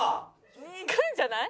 引くんじゃない？